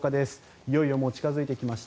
いよいよ近付いてきました。